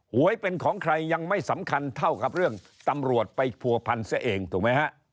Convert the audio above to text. หวยเป็นของใครยังไม่สำคัญเท่ากับเรื่องตำรวจไปผัวพันซะเองถูกไหมฮะ